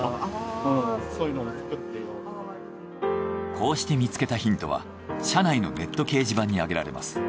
こうして見つけたヒントは社内のネット掲示板にあげられます。